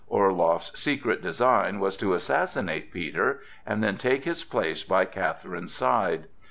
Orloff's secret design was to assassinate Peter and then take his place by Catherine's side.